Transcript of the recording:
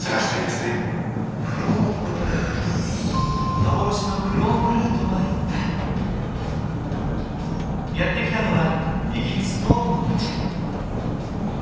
幻のフローブルーとは一体⁉やって来たのはイギリス東部の町。